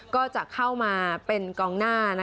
ก็จะเข้ามาเป็นกองหน้า